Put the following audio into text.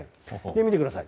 見てください。